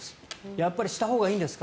やっぱりしたほうがいいんですか？